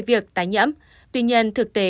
việc tái nhiễm tuy nhiên thực tế